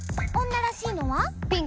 女らしいのは？